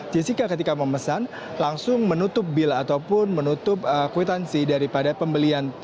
jessica ketika memesan langsung menutup bil ataupun menutup kwitansi daripada pembelian